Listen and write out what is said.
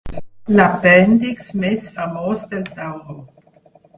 L'apèndix més famós del tauró.